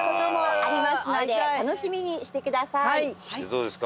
どうですか？